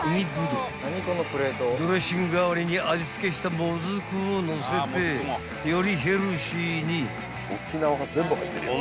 ［ドレッシング代わりに味付けしたもずくをのせてよりヘルシーに］